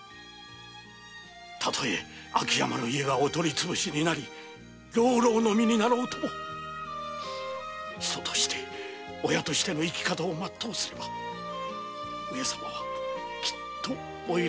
たとえ秋山家がお取りつぶしになり浪々の身になろうとも人として親としての生き方をまっとうすれば上様はきっとお許しになるはず。